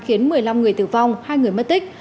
khiến một mươi năm người tử vong hai người mất tích